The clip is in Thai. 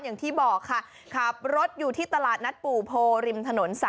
อย่างที่บอกค่ะขับรถอยู่ที่ตลาดนัดปู่โพริมถนน๓